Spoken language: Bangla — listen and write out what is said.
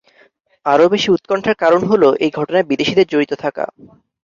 আরও বেশি উৎকণ্ঠার কারণ হলো, এই ঘটনায় বিদেশিদের জড়িত থাকা।